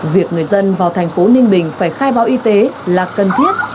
việc người dân vào thành phố ninh bình phải khai báo y tế là cần thiết